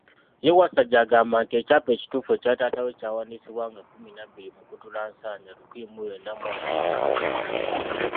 Ye Wasajja agamba nti ekyapa ekituufu ekya taata we kyawandiisibwa nga kkumi na bbiri Mukutulansanja, lukumi mu lwenda mu ana mu mukaaga.